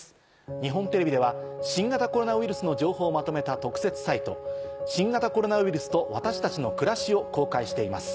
日本テレビでは新型コロナウイルスの情報をまとめた特設サイト。を公開しています。